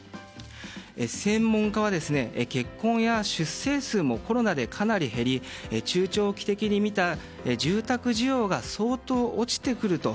専門家は結婚や出生数もコロナでかなり減り中長期的に見た住宅需要が相当落ちてくると。